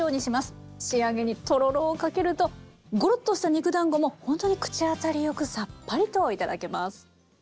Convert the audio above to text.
仕上げにとろろをかけるとごろっとした肉だんごもほんとに口当たりよくさっぱりと頂けます。